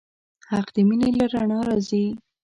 حق د مینې له رڼا راځي.